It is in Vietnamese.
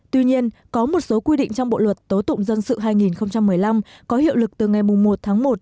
tuy nhiên có một số quy định trong bộ luật tố tụng dân sự hai nghìn một mươi năm có hiệu lực từ ngày một tháng một